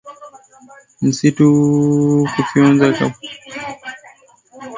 misitu kufyonza kaboni dioksidi na uwezo wake wa kusaidia kudhibiti